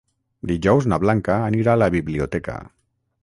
Dijous na Blanca anirà a la biblioteca.